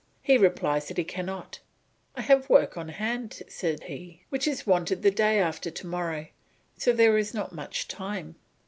He replies that he cannot. "I have work on hand," said he, "which is wanted the day after to morrow, so there is not much time.